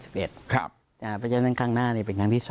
เพราะฉะนั้นครั้งหน้าเป็นครั้งที่๒